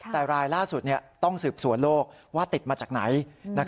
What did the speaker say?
แต่รายล่าสุดต้องสืบสวนโลกว่าติดมาจากไหน